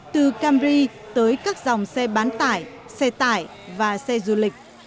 từ camri tới các dòng xe bán tải xe tải và xe du lịch